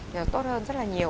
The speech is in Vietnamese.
thì nó tốt hơn rất là nhiều